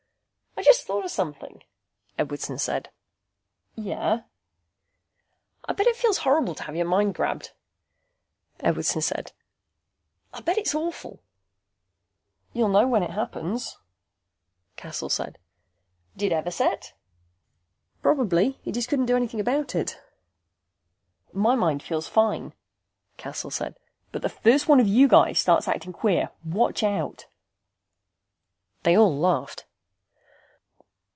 "I just thought of something," Edwardson said. "Yeh?" "I bet it feels horrible to have your mind grabbed," Edwardson said. "I bet it's awful." "You'll know when it happens," Cassel said. "Did Everset?" "Probably. He just couldn't do anything about it." "My mind feels fine," Cassel said. "But the first one of you guys starts acting queer watch out." They all laughed.